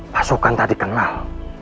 pasukan tak dikenal